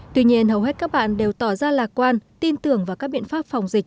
tuy nhiên hầu hết các bạn đều tỏ ra lạc quan tin tưởng vào các biện pháp phòng dịch